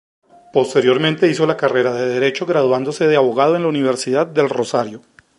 Posteriormente hizo la carrera de Derecho graduándose de Abogado de la Universidad del Rosario.